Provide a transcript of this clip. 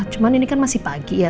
cuman ini kan masih pagi ya